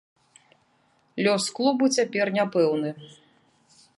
Лёс клубу цяпер няпэўны.